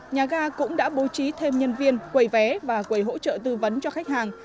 nhà ga cũng đã bố trí thêm nhân viên quầy vé và quầy hỗ trợ tư vấn cho khách hàng